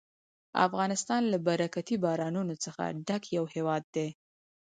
افغانستان له برکتي بارانونو څخه ډک یو هېواد دی.